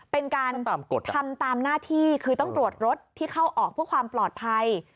เป็นการทำตามหน้าที่คือต้องตรวจรถที่เข้าออกเพื่อความปลอดภัย